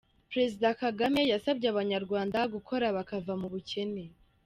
Perezida Kagame yasabye Abanyarwanda gukora bakava mu bukene.